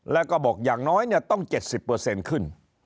แล้วก็บอกอย่างน้อยต้อง๗๐เปอร์เซ็นต์ขึ้น